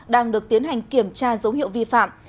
đang được tiến hành kiểm tra dấu hiệu vi phạm